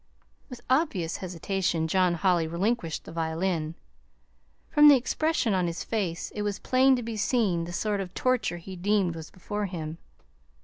With obvious hesitation John Holly relinquished the violin. From the expression on his face it was plain to be seen the sort of torture he deemed was before him.